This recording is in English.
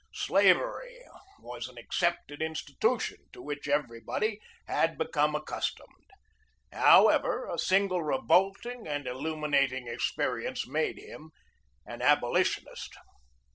Slavery was an accepted institution to which everybody had become accustomed. How ever, a single revolting and illuminating experience made him an abolitionist.